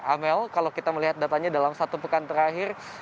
amel kalau kita melihat datanya dalam satu pekan terakhir